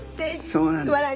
そうなんです。